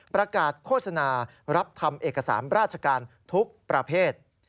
ประกาศโฆษณารับทำเอกสารราชการทุกประเภท